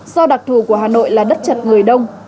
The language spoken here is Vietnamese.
do đặc thù của hà nội là đất chật người đông